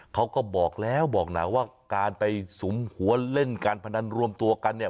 เขาก็บอกแล้วบอกนะว่าการไปสุมหัวเล่นการพนันรวมตัวกันเนี่ย